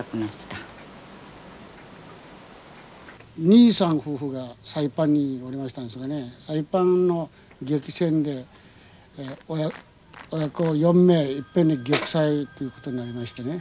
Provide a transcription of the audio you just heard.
兄さん夫婦がサイパンにおりましたんですがねサイパンの激戦で親子４名いっぺんに玉砕ということになりましてね。